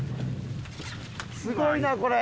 すごいなこれ！